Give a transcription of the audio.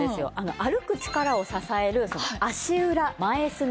歩く力を支える足裏前すね。